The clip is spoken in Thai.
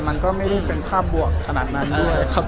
มันก็ไม่ได้เป็นภาพบวกขนาดนั้นด้วยครับ